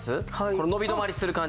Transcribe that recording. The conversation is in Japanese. この伸び止まりする感じ。